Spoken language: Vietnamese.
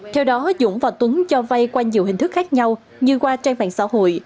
theo đó dũng và tuấn cho vay qua nhiều hình thức khác nhau như qua trang mạng xã hội